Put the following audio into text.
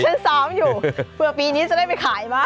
ฉันซ้อมอยู่เผื่อปีนี้จะได้ไปขายบ้าง